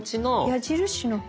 矢印の方？